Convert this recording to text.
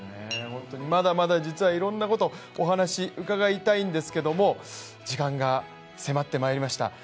まだまだ実はいろんなお話伺いたいんですけれども、時間が迫ってまいりました。